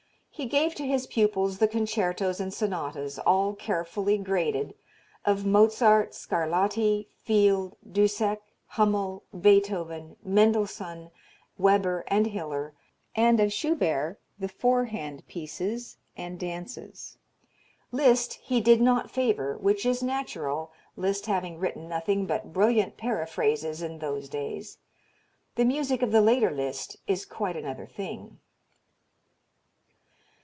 He gave to his pupils the concertos and sonatas all carefully graded of Mozart, Scarlatti, Field, Dussek, Hummel, Beethoven, Mendelssohn, Weber and Hiller and, of Schubert, the four hand pieces and dances. Liszt he did not favor, which is natural, Liszt having written nothing but brilliant paraphrases in those days. The music of the later Liszt is quite another thing.